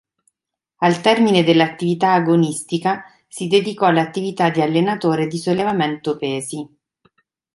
Al termine dell'attività agonistica si dedicò all'attività di allenatore di sollevamento pesi.